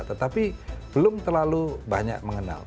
tetapi belum terlalu banyak mengenal